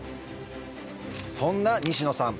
そんな西野さん